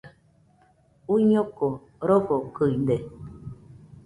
Uiñoko rofokɨide